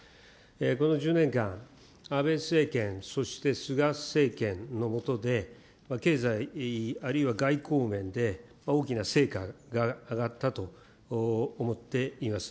この１０年間、安倍政権、そして菅政権の下で経済、あるいは外交面で大きな成果が上がったと思っています。